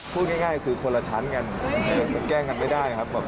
พูดง่ายคือคนละชั้นกันมันแกล้งกันไม่ได้ครับ